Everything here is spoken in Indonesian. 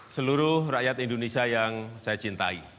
seluruh rakyat indonesia yang saya cintai